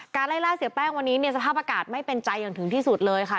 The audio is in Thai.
ไล่ล่าเสียแป้งวันนี้เนี่ยสภาพอากาศไม่เป็นใจอย่างถึงที่สุดเลยค่ะ